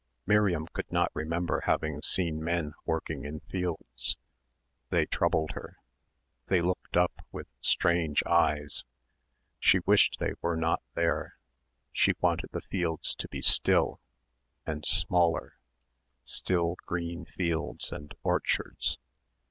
Miriam could not remember having seen men working in fields. They troubled her. They looked up with strange eyes. She wished they were not there. She wanted the fields to be still and smaller. Still green fields and orchards ...